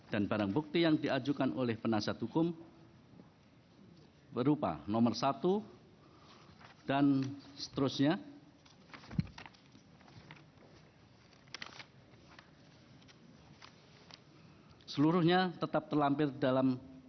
dan barang bukti yang diajukan oleh penasihat hukum berupa nomor satu dan seterusnya